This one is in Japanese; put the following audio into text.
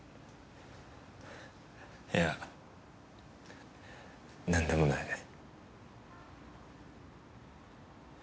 いや何でもない。